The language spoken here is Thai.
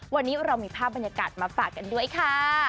วันนี้เรามีภาพบรรยากาศมาฝากกันด้วยค่ะ